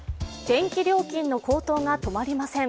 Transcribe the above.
電気料金の高騰が止まりません。